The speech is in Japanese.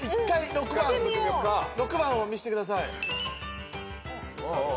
６番を見してください。